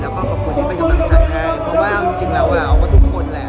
ก็ที่เปมแมนชักให้